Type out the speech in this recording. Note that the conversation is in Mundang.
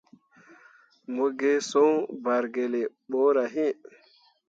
Mo gi soŋ bargelle ɓorah iŋ.